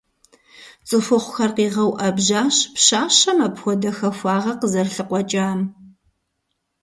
ЦӀыхухъухэр къигъэуӀэбжьащ пщащэм апхуэдэ хахуагъэ къызэрылъыкъуэкӀам.